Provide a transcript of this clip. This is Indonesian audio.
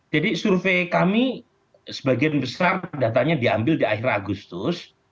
jadi survei kami sebagian besar datanya diambil di akhir agustus